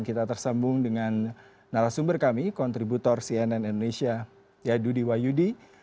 kita tersembung dengan narasumber kami kontributor cnn indonesia dudi wayudi